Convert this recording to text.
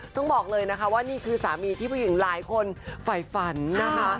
ต้องบอกเลยนะคะว่านี่คือสามีที่ผู้หญิงหลายคนฝ่ายฝันนะคะ